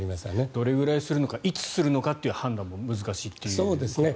どれくらいするのかいつするのかという判断も難しいということですよね。